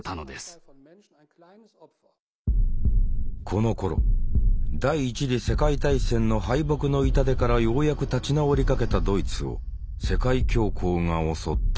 このころ第一次世界大戦の敗北の痛手からようやく立ち直りかけたドイツを世界恐慌が襲った。